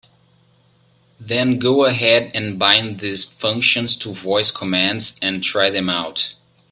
Then go ahead and bind these functions to voice commands and try them out.